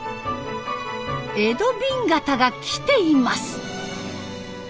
江戸紅型がきています！